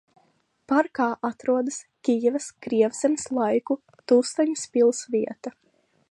Parkā atrodas Kijevas Krievzemes laiku Tustaņas pils vieta.